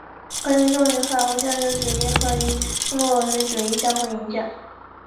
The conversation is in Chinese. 该运动与法国象征主义和英国唯美主义相互影响。